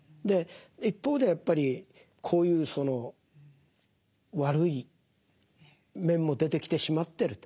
一方でやっぱりこういうその悪い面も出てきてしまってると。